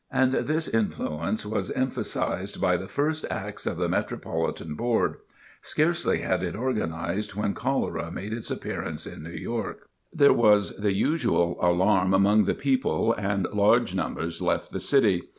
And this influence was emphasized by the first acts of the Metropolitan Board. Scarcely had it organized when cholera made its appearance in New York. There was the usual alarm among the people, and large numbers left the city.